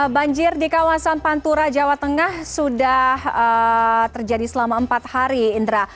banjir di kawasan pantura jawa tengah sudah terjadi selama empat hari indra